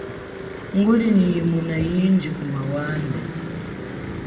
Nguli nyi yimuna yindji kuma wande.